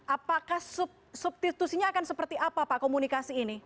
apakah substitusinya akan seperti apa pak komunikasi ini